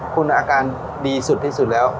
คุณอาการดีสุดที่สุดแล้ว